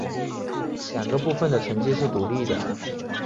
两个部分的成绩是独立的。